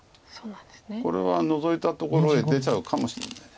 これはノゾいたところへ出ちゃうかもしれない。